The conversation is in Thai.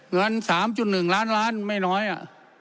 เงินสามจุดหนึ่งล้านล้านไม่น้อยอ่ะ